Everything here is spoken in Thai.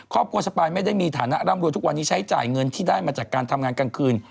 สปายไม่ได้มีฐานะร่ำรวยทุกวันนี้ใช้จ่ายเงินที่ได้มาจากการทำงานกลางคืน